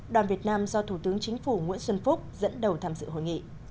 đoàn việt nam do thủ tướng chính phủ nguyễn xuân phúc dẫn đầu tham dự hội nghị